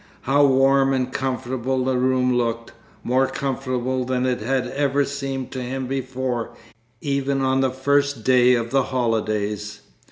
How warm and comfortable the room looked more comfortable than it had ever seemed to him before, even on the first day of the holidays!